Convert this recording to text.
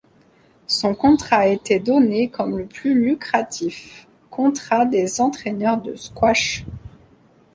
Son contrat était donné comme le plus lucratif contrat des entraîneurs de squash.